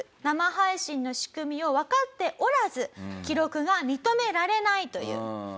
生配信の仕組みをわかっておらず記録が認められないという。